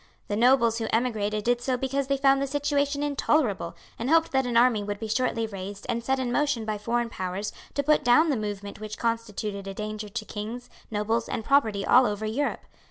The nobles who emigrated did so because they found the situation intolerable, and hoped that an army would be shortly raised and set in motion by foreign powers to put down the movement which constituted a danger to kings, nobles, and property all over Europe.